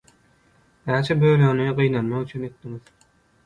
Näçe bölegini gynanmak üçin etdiňiz?